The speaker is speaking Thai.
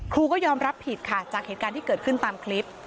ก็ยอมรับผิดค่ะจากเหตุการณ์ที่เกิดขึ้นตามคลิป